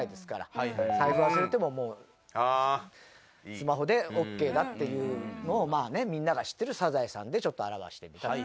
財布忘れてももうスマホでオッケーだっていうのをみんなが知ってる『サザエさん』でちょっと表してみたという。